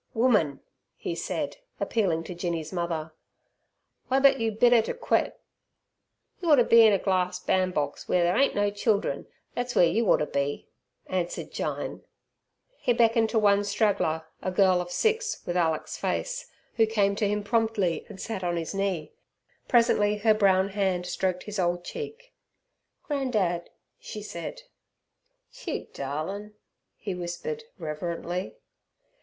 "Woman!" he said, appealing to Jinny's mother, "whybut you bid 'er to quet?" "You orter be in er glars' ban' box w'er ther ain't no children; thet's w'er you orter be," answered Jyne. He beckoned to one straggler, a girl of six, with Alick's face, who came to him promptly and sat on his knee Presently her brown hand stroked his old cheek. "Gran' dad," she said. "Choot, darlin'," he whispered, reverently.